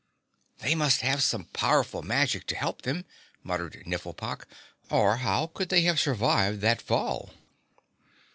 "They must have some powerful magic to help them," muttered Nifflepok, "or how could they have survived that fall?"